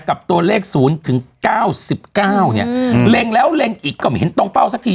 กับตัวเลขศูนย์ถึงเก้าสิบเก้าเนี้ยอืมเล็งแล้วเล็งอีกก็ไม่เห็นตรงเป้าสักที